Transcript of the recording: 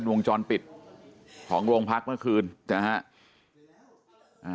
วงจรปิดของโรงพักเมื่อคืนนะฮะ